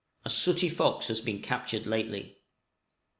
A sooty fox has been captured lately.